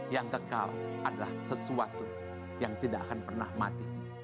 yang kekal adalah sesuatu yang tidak akan pernah mati